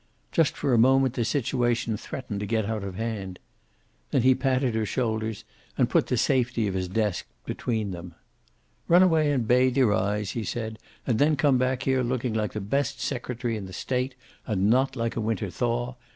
Just for a moment the situation threatened to get out of hand. Then he patted her shoulders and put the safety of his desk between them. "Run away and bathe your eyes," he said, "and then come back here looking like the best secretary in the state, and not like a winter thaw.